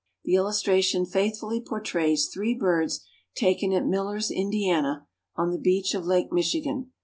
The illustration faithfully portrays three birds taken at Miller's, Indiana, on the beach of Lake Michigan.